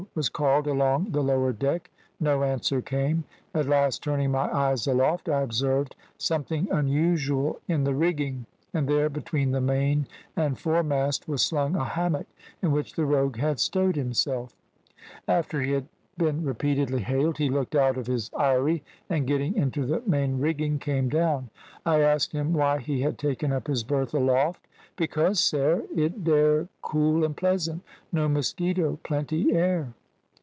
was called along the lower deck; no answer came. At last, turning my eyes aloft I observed something unusual in the rigging, and there between the main and foremast was slung a hammock, in which the rogue had stowed himself. After he had been repeatedly hailed, he looked out of his eyrie, and getting into the main rigging came down. I asked him why he had taken up his berth aloft. "`Because, sare, it dare cool and pleasant; no mosquito; plenty air.'